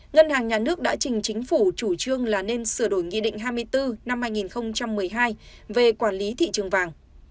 ngân hàng nhà nước đã trình chính phủ chủ trương là nên sửa đổi nghị định hai mươi bốn năm hai nghìn một mươi hai về quản lý thị trường vàng